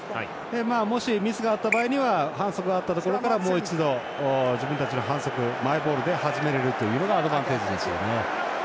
もしミスがあった場合には反則があったところからもう一度自分たちの反則、マイボールで始められるというのがアドバンテージですよね。